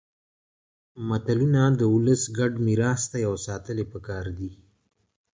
متلونه د ولس ګډ میراث دي او ساتل يې پکار دي